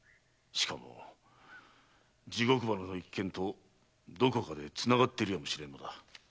しかも地獄花の一件とどこかでつながっているやもしれぬのだ。